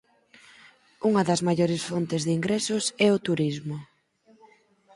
Unha das maiores fontes de ingresos é o turismo.